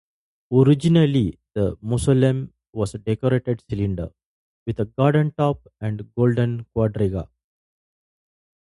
Originally the mausoleum was a decorated cylinder, with a garden top and golden quadriga.